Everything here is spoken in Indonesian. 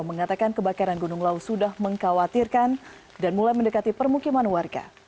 mengatakan kebakaran gunung lau sudah mengkhawatirkan dan mulai mendekati permukiman warga